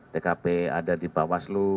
tkp ada di bawah selu